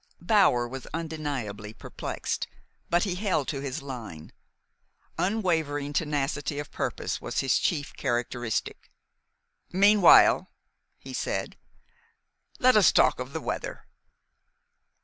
Bower was undeniably perplexed; but he held to his line. Unwavering tenacity of purpose was his chief characteristic. "Meanwhile," he said, "let us talk of the weather."